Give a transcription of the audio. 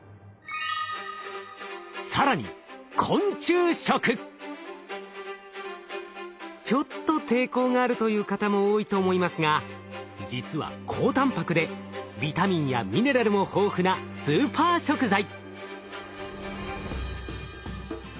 更にちょっと抵抗があるという方も多いと思いますが実は高たんぱくでビタミンやミネラルも豊富なスーパー食材。